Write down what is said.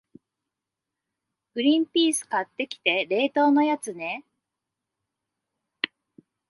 グリンピース買ってきて、冷凍のやつね。